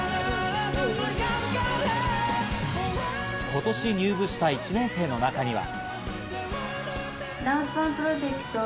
今年入部した１年生の中には。